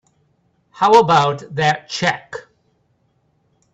How about that check?